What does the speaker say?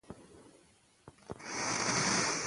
که ښوونځی سم وي نو پایله ښه وي.